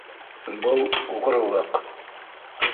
Был - уғрылыҡ.